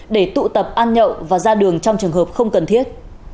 để tụ tập ăn nhậu và ra đường trong trường hợp không cần thiết